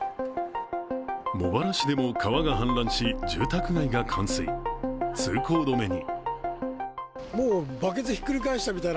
茂原市でも川が氾濫し、住宅街が冠水、通行止めに。